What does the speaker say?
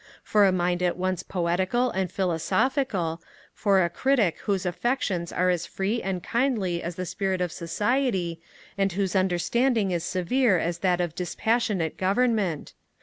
For a mind at once poetical and philosophical; for a critic whose affections are as free and kindly as the spirit of society, and whose understanding is severe as that of dispassionate government?